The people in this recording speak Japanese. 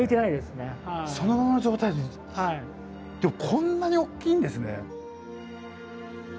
こんなに大きいんですね。